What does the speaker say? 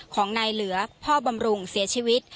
ของนายเหลือพ่อบำรุงเสียชีวิต